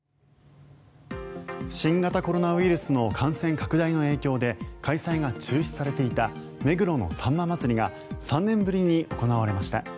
新型コロナウイルスの感染拡大の影響で開催が中止されていた目黒のさんま祭が３年ぶりに行われました。